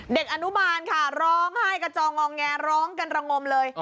เด็กอนุบาลค่ะร้องไห้กระจองงองแงร้องกันระงมเลย